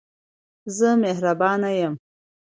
زه مهربانه یم.